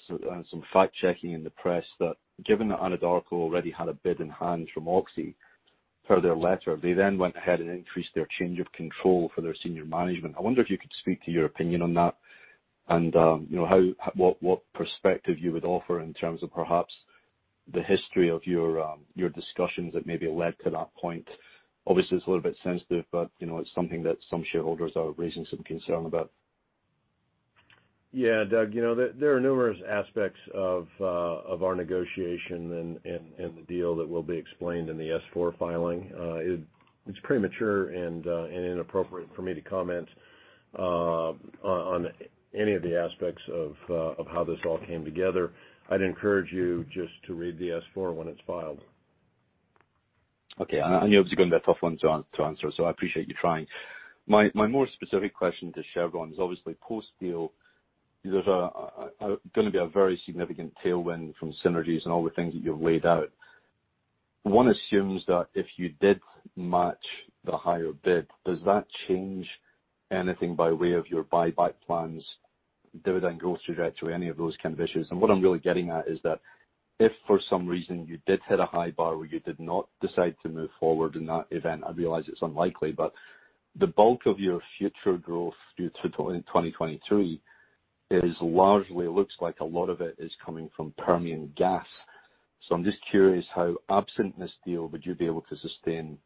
some fact-checking in the press that given that Anadarko already had a bid in hand from Oxy per their letter, they then went ahead and increased their change of control for their senior management. I wonder if you could speak to your opinion on that and what perspective you would offer in terms of perhaps the history of your discussions that maybe led to that point. Obviously, it's a little bit sensitive, but it's something that some shareholders are raising some concern about. Yeah, Doug, there are numerous aspects of our negotiation and the deal that will be explained in the S-4 filing. It's premature and inappropriate for me to comment on any of the aspects of how this all came together. I'd encourage you just to read the S-4 when it's filed. Okay. I knew it was going to be a tough one to answer, so I appreciate you trying. My more specific question to Chevron is obviously post-deal, there's going to be a very significant tailwind from synergies and all the things that you've laid out. One assumes that if you did match the higher bid, does that change anything by way of your buyback plans, dividend growth trajectory, any of those kind of issues? What I'm really getting at is that if for some reason you did hit a high bar where you did not decide to move forward in that event, I realize it's unlikely, but the bulk of your future growth due to 2023 is largely, looks like a lot of it is coming from Permian gas. I'm just curious how, absent this deal, would you be able to sustain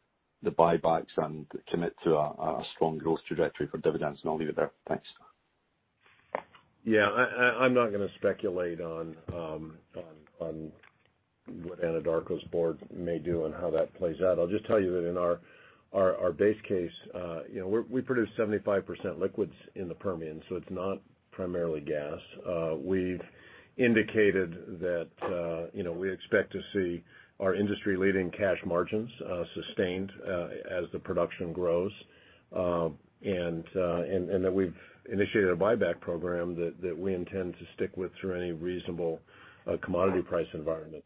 the buybacks and commit to a strong growth trajectory for dividends? I'll leave it there. Thanks. Yeah, I'm not going to speculate on what Anadarko's board may do and how that plays out. I'll just tell you that in our base case, we produce 75% liquids in the Permian, so it's not primarily gas. We've indicated that we expect to see our industry-leading cash margins sustained as the production grows, and that we've initiated a buyback program that we intend to stick with through any reasonable commodity price environment.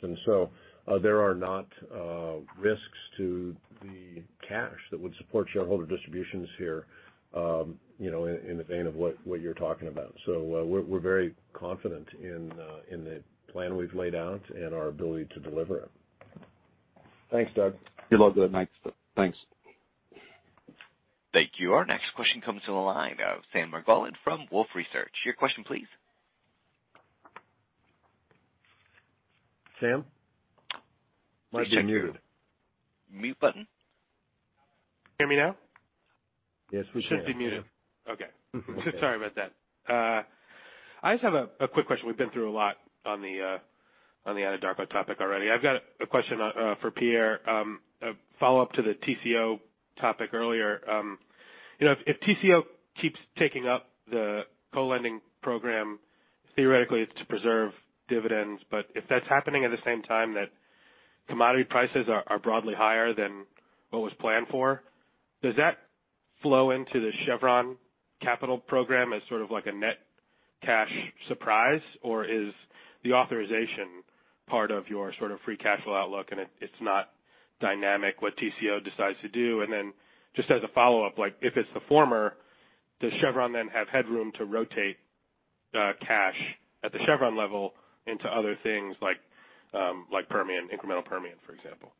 There are not risks to the cash that would support shareholder distributions here, in the vein of what you're talking about. We're very confident in the plan we've laid out and our ability to deliver it. Thanks, Doug. You're all good, Mike. Thanks. Thank you. Our next question comes to the line of Sam Margolin from Wolfe Research. Your question please. Sam? Might be muted. Mute button. Hear me now? Yes, we can. Should be muted. Okay. Sorry about that. I just have a quick question. We've been through a lot on the Anadarko topic already. I've got a question for Pierre, a follow-up to the TCO topic earlier. If TCO keeps taking up the co-lending program, theoretically it's to preserve dividends. If that's happening at the same time that commodity prices are broadly higher than what was planned for, does that flow into the Chevron capital program as sort of like a net cash surprise? Or is the authorization part of your sort of free cash flow outlook and it's not dynamic what TCO decides to do? Just as a follow-up, if it's the former, does Chevron then have headroom to rotate cash at the Chevron level into other things like incremental Permian, for example?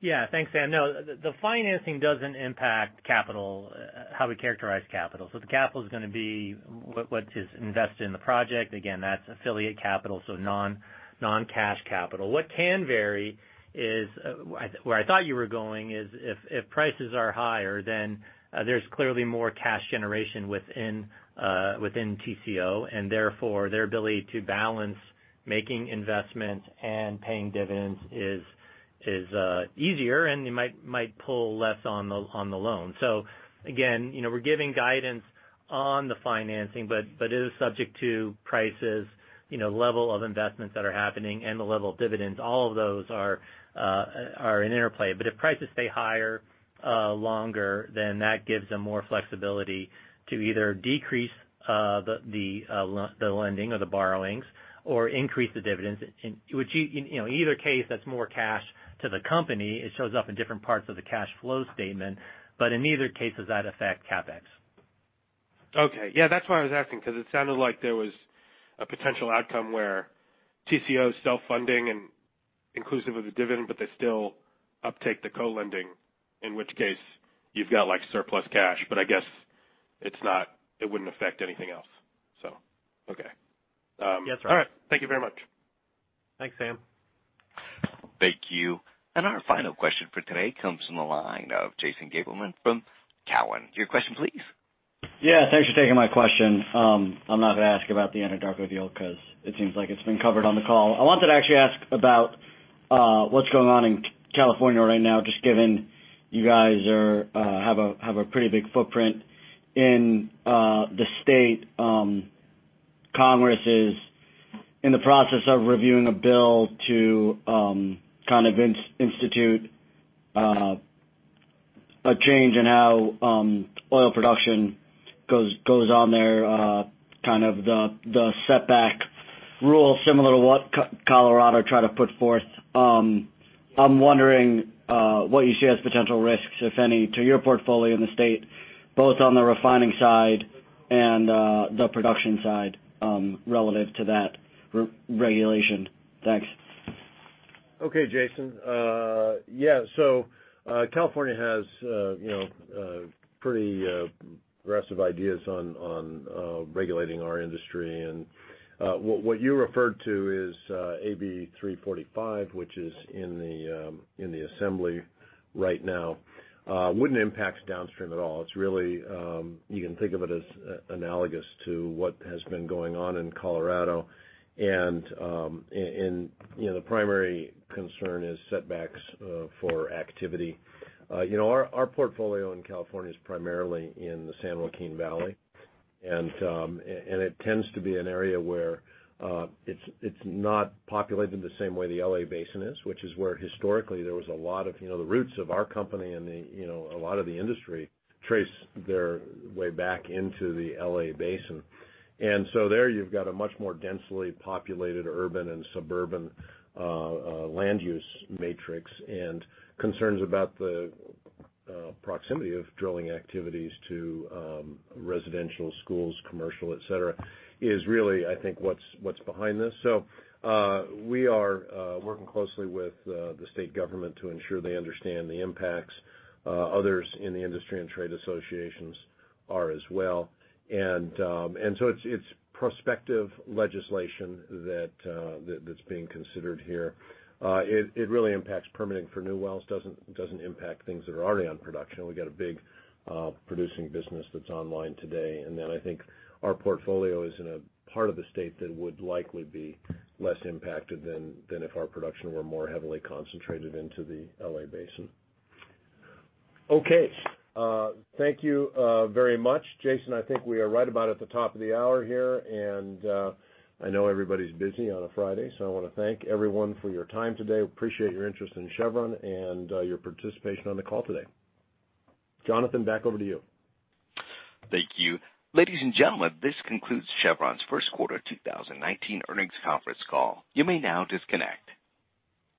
Yeah. Thanks, Sam. No, the financing doesn't impact how we characterize capital. The capital is going to be what is invested in the project. Again, that's affiliate capital, so non-cash capital. What can vary is, where I thought you were going is if prices are higher, therefore, there's clearly more cash generation within Tengizchevroil, their ability to balance making investments and paying dividends is easier, you might pull less on the loan. Again, we're giving guidance on the financing, it is subject to prices, level of investments that are happening, and the level of dividends. All of those are in interplay. If prices stay higher longer, that gives them more flexibility to either decrease the lending or the borrowings or increase the dividends, which in either case, that's more cash to the company. It shows up in different parts of the cash flow statement. In either case, does that affect CapEx. Okay. Yeah, that's why I was asking, because it sounded like there was a potential outcome where Tengizchevroil is self-funding and inclusive of the dividend, but they still uptake the co-lending, in which case you've got surplus cash, but I guess it wouldn't affect anything else. Okay. That's right. All right. Thank you very much. Thanks, Sam. Thank you. Our final question for today comes from the line of Jason Gabelman from Cowen. Your question, please. Yeah, thanks for taking my question. I'm not going to ask about the Anadarko deal because it seems like it's been covered on the call. I wanted to actually ask about what's going on in California right now, just given you guys have a pretty big footprint in the state. Congress is in the process of reviewing a bill to institute a change in how oil production goes on there, the setback rule, similar to what Colorado tried to put forth. I'm wondering what you see as potential risks, if any, to your portfolio in the state, both on the refining side and the production side relative to that regulation. Thanks. Okay, Jason. Yeah. California has pretty aggressive ideas on regulating our industry, what you referred to is AB 345, which is in the assembly right now. Wouldn't impact downstream at all. You can think of it as analogous to what has been going on in Colorado. The primary concern is setbacks for activity. Our portfolio in California is primarily in the San Joaquin Valley, it tends to be an area where it's not populated the same way the L.A. Basin is, which is where historically there was a lot of the roots of our company and a lot of the industry trace their way back into the L.A. Basin. There you've got a much more densely populated urban and suburban land use matrix, and concerns about the proximity of drilling activities to residential, schools, commercial, et cetera, is really, I think, what's behind this. We are working closely with the state government to ensure they understand the impacts, others in the industry and trade associations are as well. It's prospective legislation that's being considered here. It really impacts permitting for new wells. It doesn't impact things that are already on production. We've got a big producing business that's online today. I think our portfolio is in a part of the state that would likely be less impacted than if our production were more heavily concentrated into the L.A. Basin. Okay. Thank you very much. Jason, I think we are right about at the top of the hour here, I know everybody's busy on a Friday, so I want to thank everyone for your time today. We appreciate your interest in Chevron and your participation on the call today. Jonathan, back over to you. Thank you. Ladies and gentlemen, this concludes Chevron's first quarter 2019 earnings conference call. You may now disconnect.